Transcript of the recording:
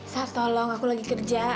saat tolong aku lagi kerja